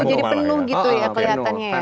jadi penuh gitu ya kelihatannya ya